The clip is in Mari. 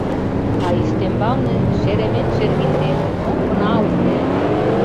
А ӱстембалне, шеремет-шергиндет, мо гына уке!